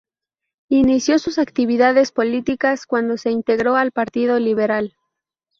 Inició sus actividades políticas cuando se integró al Partido Liberal.